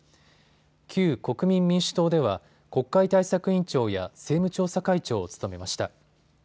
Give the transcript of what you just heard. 旧国民民主党では国会対策委員長や政務調査会長を務めました。